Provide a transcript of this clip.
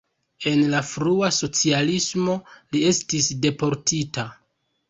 En la frua socialismo li estis deportita.